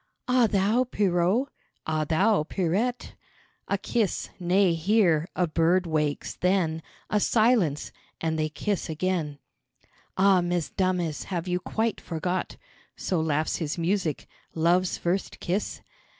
"Ah thou, Pierrot?" "Ah thou, Pierrette?" A kiss, nay, hear a bird wakes, then A silence and they kiss again, "Ah, Mesdames, have you quite forgot " (So laughs his music.) "Love's first kiss?